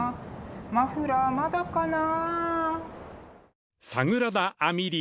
マフラーまだかなあ？